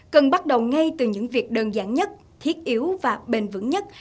cần bắt đầu ngay từ những việc đơn giản nhất thiết yếu và bền vững nhất